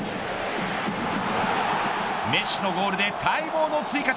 メッシのゴールで待望の追加点。